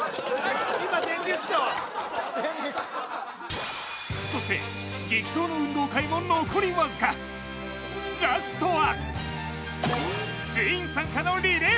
今電流きた電流そして激闘の運動会も残りわずかラストは？